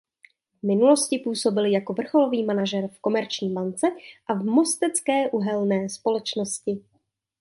V minulosti působil jako vrcholový manažer v Komerční bance a v Mostecké uhelné společnosti.